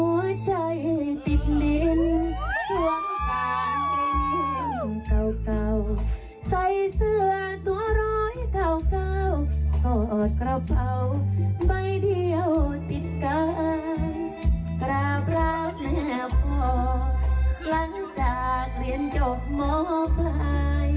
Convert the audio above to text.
เราศิลปินสองคนทำหน้าที่นะคะต่อเราไทยและน้องทันย่านะคะ